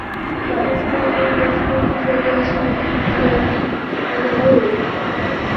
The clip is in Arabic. وَأَمَّا اللَّفُوتُ فَذَاتُ الْوَلَدِ مِنْ غَيْرِك